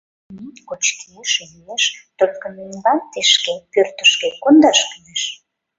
Минь кочкеш, йӱэш, только миньлан тишке, пӧртышкӧ, кондаш кӱлеш.